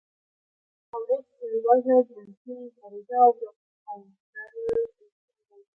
، توليد، لوږه، جنسي غريزه او د فضله ايستل راځي.